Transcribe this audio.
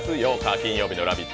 金曜日の「ラヴィット！」